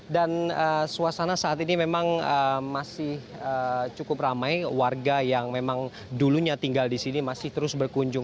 dan suasana saat ini memang masih cukup ramai warga yang memang dulunya tinggal di sini masih terus berkunjung